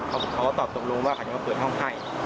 เขาก็ตอบตกลงว่าเขาจะมาเปิดห้องให้